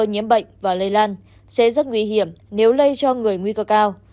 nhiễm bệnh và lây lan sẽ rất nguy hiểm nếu lây cho người nguy cơ cao